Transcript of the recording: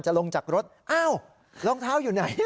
ลงจากรถอ้าวรองเท้าอยู่ไหน